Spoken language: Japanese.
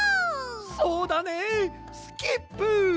そうだねえスキップ！